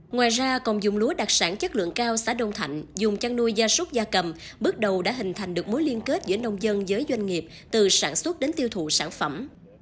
ngoài ra còn dùng lúa đặc sản chất lượng cao xã đông thạnh dùng chăn nuôi gia súc gia cầm bước đầu đã hình thành được mối liên kết giữa nông dân với doanh nghiệp từ sản xuất đến tiêu thụ sản phẩm